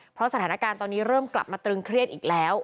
เพราะสถานการณ์ตอนนี้เริ่มกลับมาตรึงเครียดอีกแล้ว